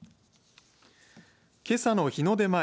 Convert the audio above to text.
けさの日の出前。